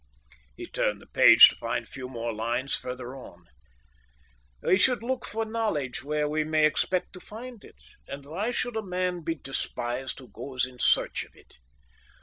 He turned the page to find a few more lines further on: "We should look for knowledge where we may expect to find it, and why should a man be despised who goes in search of it?